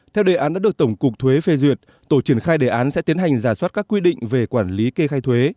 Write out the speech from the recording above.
theo đề án đã được tổng cục thuế phê duyệt tổ triển khai đề án sẽ tiến hành giả soát các quy định về quản lý kê khai thuế